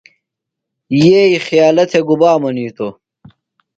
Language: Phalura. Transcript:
ییئ خیالہ تھےۡ گُبا منیتوۡ؟